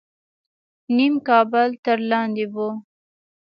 نیم کابل تر لاندې و.